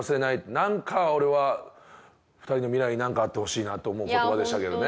なんか俺は２人の未来になんかあってほしいなと思う言葉でしたけどね。